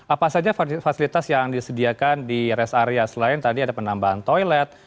apa saja fasilitas yang disediakan di rest area selain tadi ada penambahan toilet